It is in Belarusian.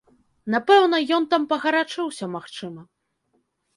Напэўна, ён там пагарачыўся, магчыма.